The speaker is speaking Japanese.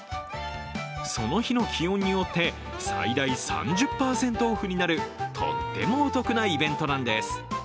その日の気温によって最大３０％オフになるとってもお得なイベントなんです。